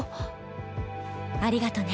ありがとうね。